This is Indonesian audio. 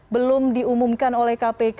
belum diumumkan oleh kpk